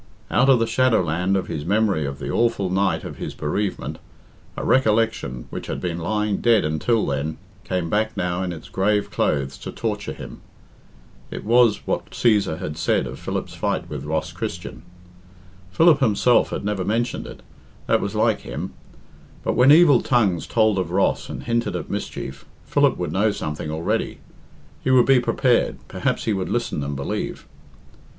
Out of the shadow land of his memory of the awful night of his bereavement, a recollection, which had been lying dead until then, came back now in its grave clothes to torture him. It was what Cæsar had said of Philip's fight with Ross Christian. Philip himself had never mentioned it that was like him. But when evil tongues told of Ross and hinted at mischief, Philip would know something already; he would be prepared, perhaps he would listen and believe.